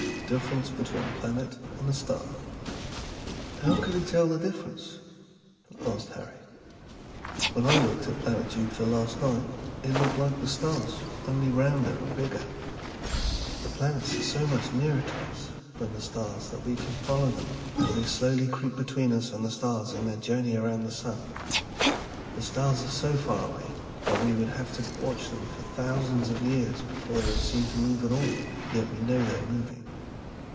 DIFFERENCE BETWEEN A PLANET AND A STAR. "How could he tell the difference?" asked Harry. "When I looked at Planet Jupiter last night it looked like the stars, only rounder and bigger." "The planets are so much nearer to us than the stars that we can follow them as they slowly creep between us and the stars in their journey around the sun. The stars are so far away that we would have to watch them for thousands of years before they would seem to move at all, yet we know they are moving."